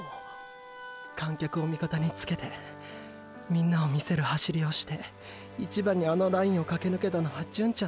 観客を味方につけてみんなを魅せる走りをして一番にあのラインを駆けぬけたのは純ちゃんだよ。